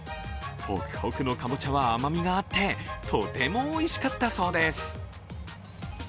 ホクホクのかぼちゃは甘みがあってとてもおいしかったそうです。